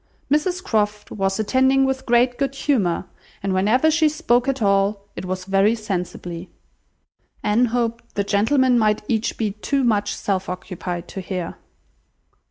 Mrs Croft was attending with great good humour, and whenever she spoke at all, it was very sensibly. Anne hoped the gentlemen might each be too much self occupied to hear.